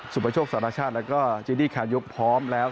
สุประโชคสรรคชาติและก็เจดี้คานยุคพร้อมแล้ว